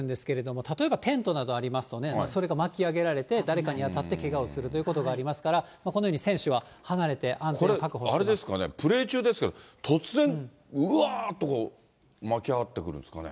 これも怖いのは、晴れた日にできるんですけれども、例えばテントなどありますとね、それが巻き上げられて、誰かに当たってけがをするということがありますから、このように選手は離これはあれですかね、プレー中ですが、突然、うわーっと巻き上がってくるんですかね。